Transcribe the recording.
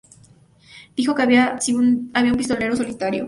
Dijo que había un pistolero solitario.